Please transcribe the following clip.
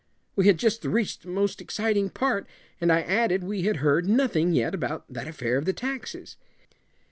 We had just reached the most exciting part, and I added we had heard nothing yet about that affair of the taxes.